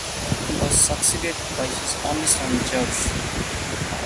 He was succeeded by his only son, George.